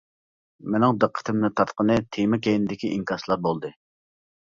مېنىڭ دىققىتىمنى تارتقىنى تېما كەينىدىكى ئىنكاسلار بولدى.